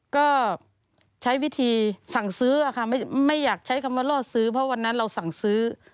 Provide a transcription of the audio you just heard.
ก็ใช้วิธีสั่งซื้อค่ะไม่อยากใช้คำว่าล่อซื้อเพราะวันนั้นเราสั่งซื้อ